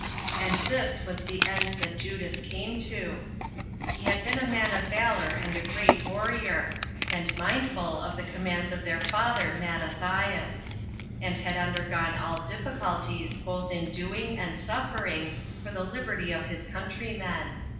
And this was the end that Judas came to. He had been a man of valor and a great warrior, and mindful of the commands of their father Matrathins; and had undergone all difficulties, both in doing and suffering, for the liberty of his countrymen.